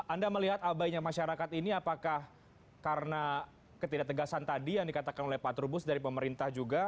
anda melihat abainya masyarakat ini apakah karena ketidak tegasan tadi yang dikatakan oleh pak trubus dari pemerintah juga